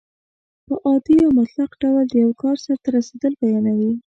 په عادي او مطلق ډول د یو کار سرته رسېدل بیانیوي.